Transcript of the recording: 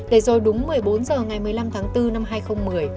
để rồi đúng một mươi bốn h ngày một mươi năm tháng bốn năm hai nghìn một mươi